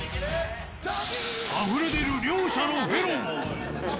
あふれ出る両者のフェロモン。